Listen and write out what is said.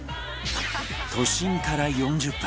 都心から４０分